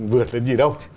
vượt lên gì đâu